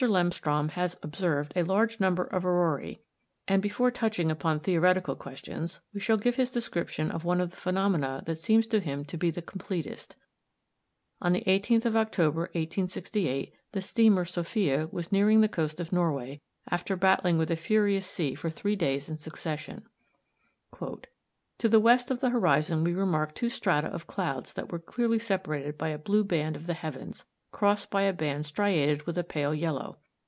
Lemstrom has observed a large number of auroræ, and before touching upon theoretic questions, we shall give his description of one of the phenomena that seems to him to be the completest. On the 18th of October, 1868, the steamer Sophia was nearing the coast of Norway, after battling with a furious sea for three days in succession. "To the west of the horizon we remarked two strata of clouds that were clearly separated by a blue band of the heavens, crossed by a band striated with a pale yellow.